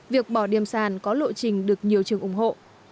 việc bỏ điểm sàn có lộ trình được nhiều trường ủng hộ